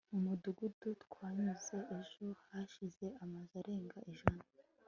mu mudugudu twanyuze ejo hashize amazu arenga ijana